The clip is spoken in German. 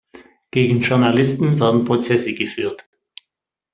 Gegen Journalisten werden Prozesse geführt.